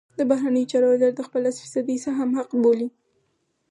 د بهرنیو چارو وزارت د خپل لس فیصدۍ سهم حق بولي.